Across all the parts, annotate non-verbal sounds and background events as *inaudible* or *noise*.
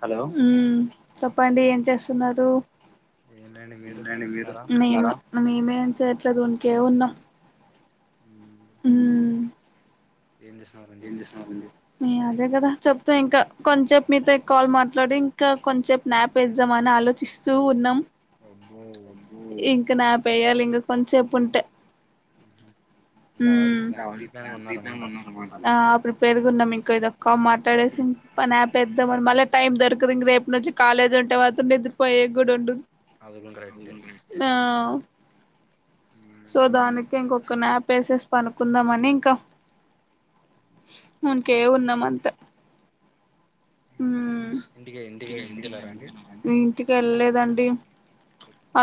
Hello ఉమ్ చెప్పండి ఏం చేస్తున్నారు ఏంటండి నేను మీరు తిన్నారా మేం ఎలా చేయట్లేదుంకే ఉన్నా మ్మ్. ఏం చేస్తున్నారండి ఏం జెస్తున్నారండి మీ అదే కదా చెప్త ఇంకా కొంచంసేపు మీతో ఎక్కుల్ మాట్లాడి ఇంకా కొంచసేపు నాప్ వేద్దాం అని ఆలోచిస్తూ ఉన్నాం అవునండి ఇక నాప్ ఎయ్యాయి ఇక కొంచెంప్పుంటె మ్మ్. అంటే ఆల్రెడీ ఉమ్ ప్లా ప్రీ ప్లాన్ ఉన్నారన్నమాట అ అప్ ప్రిపేర్గా ఉన్నాం మీకు కమ్ మాటడేసి నాప్ వేద్దాం అని టైం దొరకదు ఇంక రేపు నుంచి కాలేజ్ ఉంటే వాతం నిద్రపోయే కూడా ఉండుదు ఆదుగుంటారు అయితే నో సో దానికి ఇంకొక న్యాప్ వేసేసి పనుకుందాంని ఇంకా ఇంకే ఉన్నాం అంతే మ్మ్ ఇంటికె ఇంటికె ఇంటికెళ్లారాండి ఇంటికి వెళ్లేదండి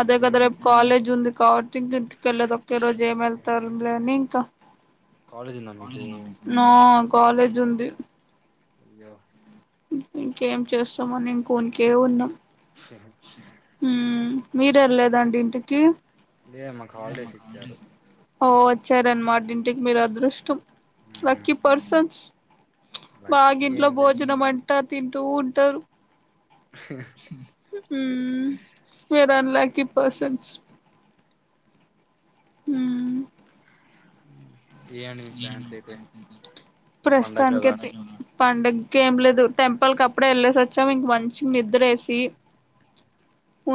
ఏం- ఏం- రేపు కాలేజ్ ఉంది బాట్ ట్రిప్ కెళ్ళలేదు ఇంకేం ఓకే ఏం ఓకే వేళ్తాం కాలేజ్ ఉందా మీకు న కాలేజ్ ఉంది అయ్యో ఇంకేం చేస్తామని ఇంకోకే ఉన్నాం మ్ మీరు వెళ్లేదండి ఇంటికి లే మాకు హాలిడేస్ ఇచ్చారు ఓ వచ్చారన్నమాట ఇంటికి మీరు అదృష్టం మ్మ్. లక్కి పర్సన్స్ లక్కీ మేకింట్లో ఏం లేదు భోజన మంట తింటూ ఉంటారు మ్ అన్లాకి పర్సన్స్ మ్ మ్మ్. ఏమండి మీ మ్ ప్లాన్స్ అయితే రేపు పండగ కదా ప్రస్తునానికితే పండగ ఏం లేదు టెంపుల్ క అప్పుడే వెళ్ళేసి వచ్చాము ఇంక మంచి నిద్రేసి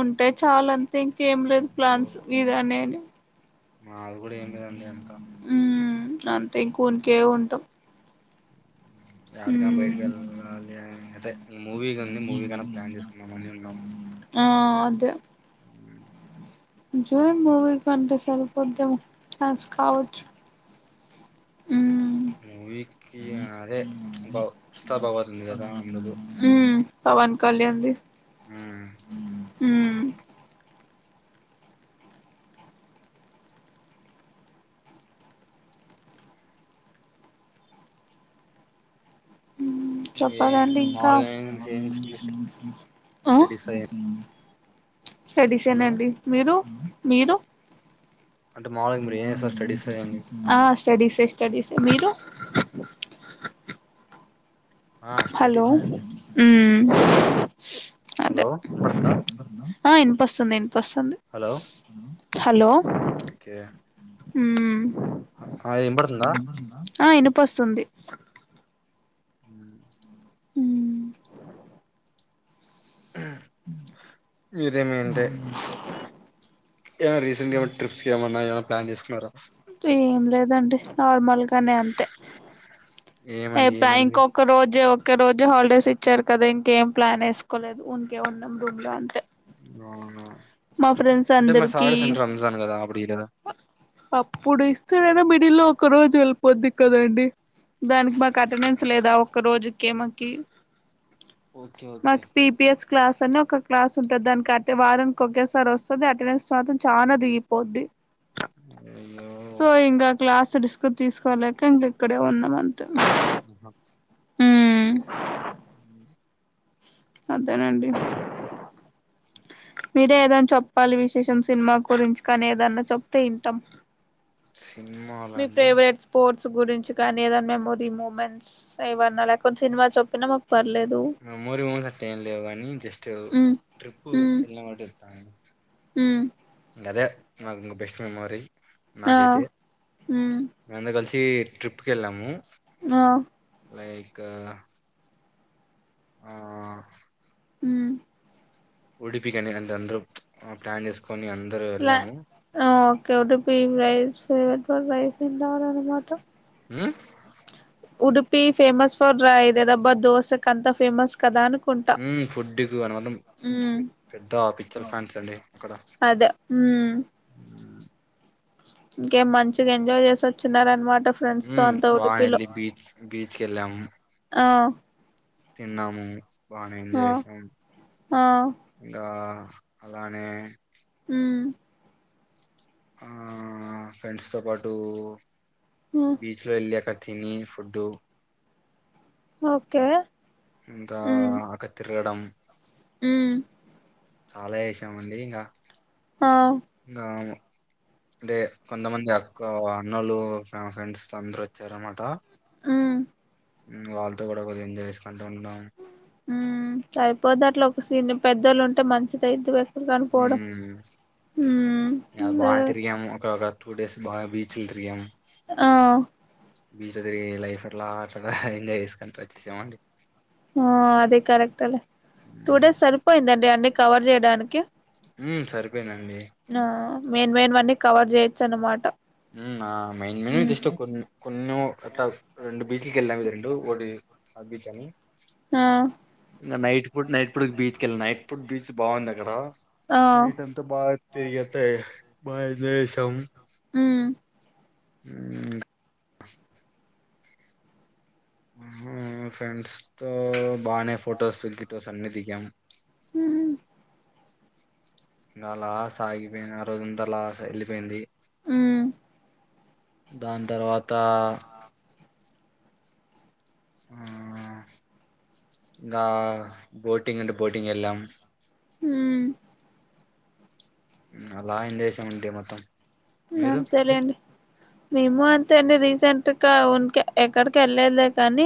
ఉంటే చాలా ఇంక ఏం లేదు ఓ, ప్లాన్స్ మీరునాయండి మాది కూడా ఏం లేదండి అంత ఉమ్ అంతే ఇంక ఉనికె ఉంటాం అతకానా ఉమ్ బయటకి వెళ్ళాలి అయితే మూవీగా ఉంది మూవీ కన్నా ప్లాన్ చేసుకున్నామ్ అని ఉన్నాం. ఆ అదే జరు ముమి కంట సార్పోద్ద్ద చాజ కావచ్చ మూవీకి అదే బా ఉత్సద్ బావతు ఉంది కదా అందుకు ఉమ్ పవన్ కళ్యాణ ది మ్ ఏ చెప్పదండి ఇంకా మాములుగా ఏం చేయాల్సింది స్టడీస్ అ హలో స్టడీస్నాండి మీరు మీరు అంటే మాములుగా మీరు ఏం చేస్తారు స్టడీస్ అయ్యండి ఆ స్టడీసే స్టడీస్ మీరు ఆ హలో స్టడీస్ అండి హలో అదే వినపడుతుందా ఆ వినపొస్తుంది వినిపొస్తుంది హలో హలో మ్ హాయ్ వినపడుతుందా ఆ ఇనిపొస్తుంది హ ఆ హ్మ్ ఇదిమీంటే *inaudible* ఏమై రీసెంట్గా ఏమన్నా ట్రిప్స్ కి ఏమన్నా ఏమైనా ప్లాన్ చేసుకున్నారా ఏం లేదండి నార్మల్ గానే అంతే ఏమండి రేపా ఏమైంది ఇంకొక్క రోజు ఓకే రోజు హాలిడేస్ ఇచ్చారు కదా ఇంకేం ప్లాన్ వేసుకోలేదు ఉనికే ఉన్నాం రూమ్ లో అంతే అవునా మా ఫ్రెండ్స్ అంటే మరి అందరికి సాటర్డే సండే రంజాన్ కదా అప్పుడు ఇయ్యలేదా అప్పుడు ఇస్తాడ మిడిల్లొ ఒక రోజు వెళ్ళిపోద్ది కదాండి దానికి మాకు అటెండెన్స్ లేదా ఒక్క రోజుకే మాకి ఓకే ఓకే మాకు పిపిఎస్ క్లాస్ అని ఒక క్లాస్ ఉంటుది దానిక అంటే వారనికి ఒకేసారి వస్తుంది అటెండెన్స్ మాత్రం చాలా దిగిపోద్ది అయ్యో సొ డిస్కు తీసుకోలేక ఇంక ఇక్కడే ఉన్నాం అన్ ఉండచ్చు అ అదేనండి మీరే ఏదైనా చెప్పాలి విశేషం సినిమా గురించి కానీ ఏదన్నా చెప్తే వింటాం సినిమాలు మీ అండి ఫేవరెట్ స్పోర్ట్ స్పోర్ట్స్ గురించి కానీ ఏదనా మెమోరీ మూమెంట్స్ ఏవన్నా లేకున్నా సినిమా చెప్పినా మాకు పర్లేదు మెమరీస్ అట్లే ఏమి లేవు కానీ జస్ట్ మ్మ్ ట్రిప్ మ్మ్ ఫళ్ళ *inaudible* అంటంది తామసి ఉమ్ అదే నాకింకా బెస్ట్ ఫీమరి ఆ ఎ ట్రిప్కి వెళ్ళాము ఆ లైక్ ఆ మూ ఉడిపి బిగిన్ అం *inaudible* త అందరూ ప్లాన్ చేసుకు లా ఓకే టపిై *unintelligible* పొతే పైసు ఉండాలన మాట మూ ఉడిపి ఫేమస్ ఫర్ రా ఇదదబ్బా దోసకు అంత ఫేమస్ కదా అనుకు మూ ఫుడ్ కు అనుమాత్రం ఉమ్ పెద్ద పిచ్చార్ ఫ్యాన్స్ అండి అక్కడ అదే ఉమ్ ఇంకేం మంచిగా ఎంజాయ్ చేసి వచ్చిన్నారనమాట హుమ్ బా ఎల్లి బీచ్ బీచ్కెల్లం ఆ తిన్నాము బానే ఎంజాయ్ ఆ చేసినం ఆ ఇంకా బానే ఉమ్ ఆ ఫ్రెండ్స్ తో పాటు ఉమ్ బీచ్ లో ఎల్లి అక్కడ్ తినీ ఫుడ్డు ఓకే ఇంకా ఉమ్ అకడ్ తిరగడం ఉమ్ చాలా చేసామండి ఇంగా ఆ ఇంగా అంటే కొంతమంది అక్క అన్నలు ఫ్రెండ్స్ అందరు వచ్చారనమాట హుమ్ వాళ్ళతో కూడా కొంచెం ఎంజాయ్ చేసినా హుమ్ సరిపోత ఇంట్లో ఒక సీన్యం పెద్ధోలుంటే మంచిదైత అనుకోవడం ఉమ్ హుమ్ ఇంకా అదే బాగా తిరిగాము ఒక ఒక టూ డేస్ బాగా బీచ్లు తిరిగాం ఆ బీచ్ లో తిరిగి లైఫ్ అట్లా ఎంజాయ్ చేసుకుని వచ్చేసామండి ఆ అదే కరెక్ట్ లే టూ ఉమ్ డేస్ సరిపోయిందండి అనే కవర్ చేయడానికి ఉమ్, సరిపోయిందండి ఆ మేన్ మేన్ వన్నీ కవర్ చేయొచ్చు అనమాట ఉన్న మెయిన్ మెయిన్ జస్ట్ కొన్ని కొన్ రెండు బీచ్ కెల్లాం రెండు ఓటీ మాల్ప్ బీచ్ అని ఆ ఇగ నైట్ ఇప్పుడు నైట్ పూట బీచ్ కెల్నా నైట్ పూట బీచ్ బాగుంది అక్కడ ఆ నైట్ అంతా బాగా తిరిగేతే బాగా ఎంజాయ్ చేశాం హుమ్ హుమ్ హుమ్ ఫ్రెండ్స్ తో బానే ఫోటోస్ గీటోస్ అన్ని దిగాం హుమ్ ఇంకా అలా సాగిపోయిన ఆ రోజుంతా అలా ఎల్లిపోయింది ఉమ్ దాని తర్వాత హుమ్ ఇంకా బోటింగ్ అంటే బోటింగ్ ఎళ్ళాం హామ్ అలా ఇం దేశం ఉంటే మొత్తం మీరు? అంతేలేండి మేము అంతే అండి రీసెంట్ ఇంకా ఉన్కే ఎక్కడికి వెళ్ళలేదులే కానీ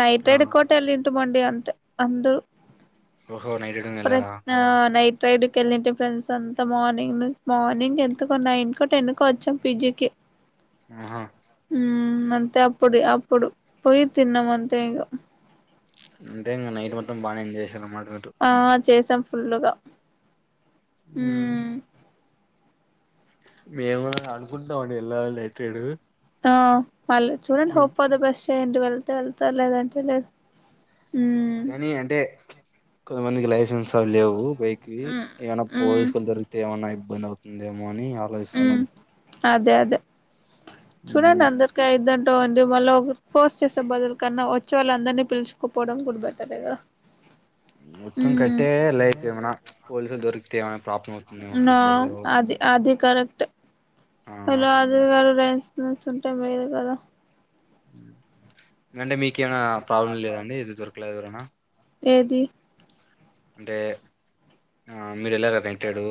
నైట్ ఆ! రెడ్కో కోట ఎల్లింటం మండి అంతే అంతే అందు ఓహో! నైట్ రైడింగ్ ప్రస్ ఎళ్లారా? నా లై రైడ్కి వెళ్ళిే ఫ్రెండ్స్ అంత మార్నింగ్ మార్నింగ్ ఎంత ఇ నైన్ కు టెన్ కో వచ్చాం పిజికి ఆ అంత అప్పుడు అప్పుడు పోొయి తిన్నామ అంతే ఇగ అంటే ఇంకా నైట్ మొత్తం బానే ఎంజాయ్ చేసారు అన్నమాట మీరు ఫుల్ గా ఉమ్ మేము కూడా అనుకుంటాం అండి ఎళ్ళ లీ ఏ టె డు ఆ అల్ చూడండి ఒప్కోద్ ఫస్ట్ టె వెళ్తే వెళ్తార్ లేదంటే లేదు ఉమ్ కానీ అంటే కొది మందికి లై సెన్స్ లేవు బైకి ఏమైన్నా ఉమ్ పోలీసుకలు దొరిగితే ఏమన్నా ఇబ్బంది అవు అదే అని ఆలోచిస్తున్నాం ఉమ్ అదే అదే చూడండి ఉమ్, అందరికఐదఅన్ టె ఒది మళ్ళా ఫోర్స్ చేసే బదులు కన్నా వచ్చే వాళ్ళ అందరినీ పిలుచుకోపోవడం కూడా బెటర్గా మొత్తం కట్టే లైక్ ఏమనా పోలీసు దొరికుతేవా నా అది అది కరెక్ట్ ఆ పలో అది క నుంచుంటే మెల్ కదా హ అంటె మీకేమనా ప్రాబ్లం లేదఅండి ఎది దొరకలేద నా అ ఏది అంటే ఆ మీర్ ఎలాఎంటాడు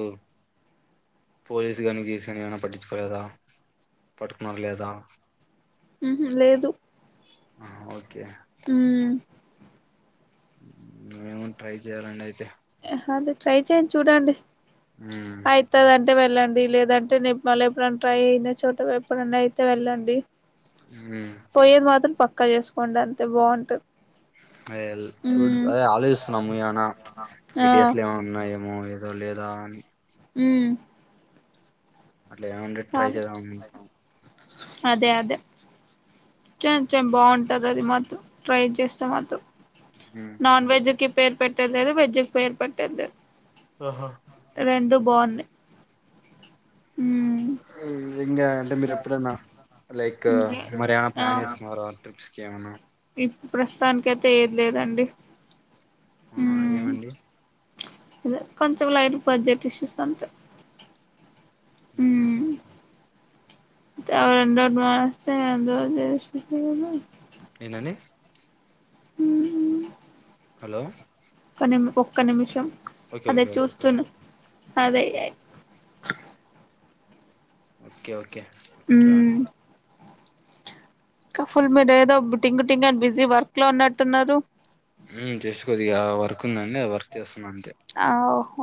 పోలీసు కానీ రీసెంట్గా ఏమనా పట్టించుకోలేదా పట్టుకున్నార లేదా ఉంహూ లేదు ఆఓకె కే ఉమ్ మేం ట్రై చేయ్యాలండి అయితే అదే ట్రై చే్యఅన్ డి చూడండి ఉమ్ తే వెళ్ళండి లేదంటే నిప్ మల్లా ఎప్పుడైనా ట్రై అయిన చోట ఎప్పుడనా అయితే వెళ్ళండి ఉమ్ పోయ్యేది మాత్రమ్ పక్ పక్క చేసుకోండి అంతే బాగుంటది అదేల్ చూడు ఉమ్ అదే ఆలోచిస్తున్నాము ఏమనా ఆ ఎటిఎస్ లో ఏమనా ఉన్నాఏమో దో లేదా అనీ ఉమ్ అట్లా ఏమనుంటే ట్రై చాలు చేద్దామనీ అదే అదే చె చెం బాగుంటది అది మాొత్తం ట్రై చేస్తా మాతో ఉమ్ నాన్ వెెజ్ కి పేర్ పెట్టెద్లెద్ వెజ్ కి పేర్ పెట్టేదలేదు ఆహా రెండు బాగుంది ఉమ్ ఉ ఇంగా అంటే మీరు ఎప్పుడైనా లైక్ ఇంకే మరెమన ప్లాన్ చేసుకున్నార ట్రిప్స్ కేమనా ప్రస్తుతానినకి అయితే ఏది లేదండి ఆ ఏమండి ఇద కొంచెంలైట్ బడ్జెట్ ఇష్యూస్ అంతే ఉంహు దా అన్డు బస్తే అందరూ చేస్తే కన ఏటండీ హుమ్హు హలో ఒక్క నిమ్ ఒక్క నిమిషం ఓకే అదే ఓకే ఓకే చూస్తుూన అదే ఓకే ఓకే ఓక్ కే చూడండి కఫుల్ మీద ఏదో టింగ్ టింగ్ అని బిజీ వర్క్ లో అన్నట్టున్నారు ఉ చేసుకోద్దు ఇగ వర్క్ ఉందండి అ వర్క్ చేస్తున్నా అంతే ఆ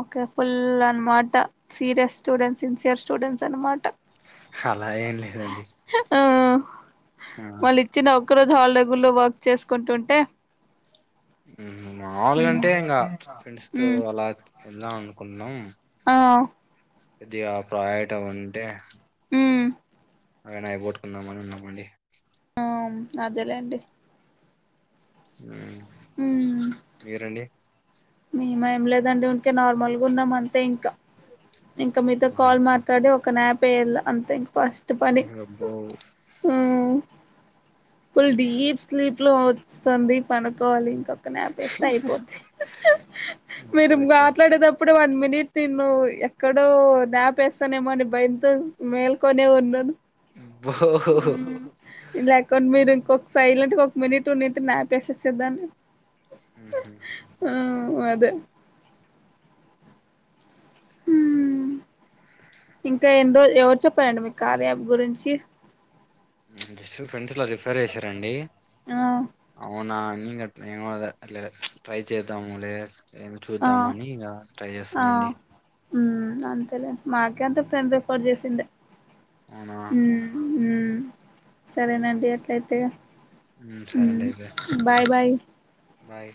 ఓకే ఫుల్ అన్ మాట సీరియస్ స్టూడెంట్స్ సిన్సియర్ స్టూడెంట్స్ అనమాట హలా ఏం లేదండి ఆ మళ్ళీ ఇచ్చినావు ఒక్క రోజు హాలి డే గూడు లే వర్క్ చేసుకుంటుంటే ఉహు మాములుగా మ్మ్ అంటే ఇంగా ఫ్రెండ్స్ తో మ్మ్ అలా ఇద్దాం అనుకున్నాం ఆ ఇది ఆ ప్రయటం అంటే ఉమ్ అయనా అవి పోట్టుకుందామని ఉన్నామండి ఆ అదే లేండి ఉ మీర్ అండి మేమ ఏం లేదండి ఉంకే నార్మల్గా ఉన్నాం అంతే ఇంకా ఇంకా మీతో ఓహో కాల్ మాట్లాడి ఒక్ కానాపేరుల అంతే ఇంకా ఫస్ట్ ఎట్ పని అబ్బో ఉ ఫుల్ డీప్ స్లీప్ లో వస్తది పనుకోవాలి ఇంకా తనే అపేస్తే అయిపోది ఓకే మీరు ఓకే మాట్లాడేదప్పు ఇప్పుడు వన్ మినిట్ నిన్ను ఎక్కడో దపేస్తానేమో అని భయంతో మేల్కొనే ఉన్నాను అబ్బో ఉ లేకున్ మీరు ఇంకొన్ సైలంట్ కోక్ విన్నట్ ఉన్నట్ నా పేసచ్చదా ఆహ వదే ఉ ఇంకా ఎన్ని రోజ ఎవరు చెప్పాలండి మీ కాలయాప్ గురించి ఉ జస్ట్ ఫ్రెండ్స్ ఎట్లా జెప్పు రిఫర్ చేసారండి ఆ అవునా ఉ గట్ల ఏం అనలే అట్లే ట్రై చేద్దామ్ లే ఏమి ఆ చూద్దామని ఇగ ట్రై చేస్తున్న నండి ఉ అంతేలే మాకే అంత ఫ్రెండ్ రిఫర్ చేసిందే అవునా ఉమ్ ఉమ్ సరేనండి అట్లయితే ఉ సరే ఉమ్ అండి అయితే బాయ్ బాయ్ బాయ్